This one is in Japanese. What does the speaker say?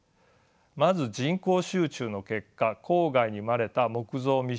まず人口集中の結果郊外に生まれた木造密集地域。